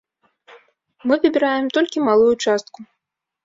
Мы выбіраем толькі малую частку.